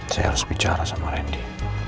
saya harus bicara sama rian di